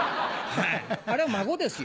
あれは『孫』ですよ。